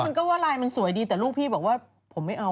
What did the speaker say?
มันก็ว่าไลน์มันสวยดีแต่ลูกพี่บอกว่าผมไม่เอา